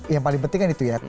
yang paling penting kan itu ya